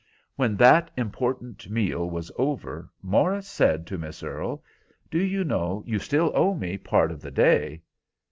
When that important meal was over, Morris said to Miss Earle: "Do you know you still owe me part of the day?"